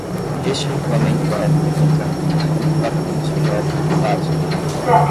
Este regulamento é, no entanto, como o próprio nome sugere, básico.